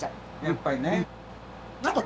やっぱりね。